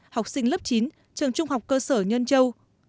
học sinh lớp chín trường trung học cơ sở nhân châu